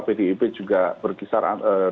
pdep juga berkisar